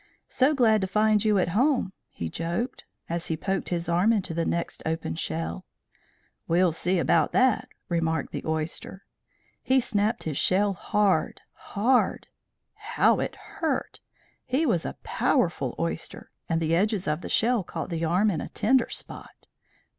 "So glad to find you at home," he joked, as he poked his arm into the next open shell. "We'll see about that," remarked the oyster. He snapped his shell hard, hard. How it hurt! He was a powerful oyster, and the edges of the shell caught the arm in a tender spot.